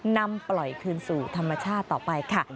นำปล่อยคืนสู่ธรรมชาติต่อไปค่ะ